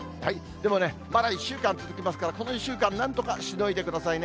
でもね、まだ１週間続きますから、この１週間、なんとかしのいでくださいね。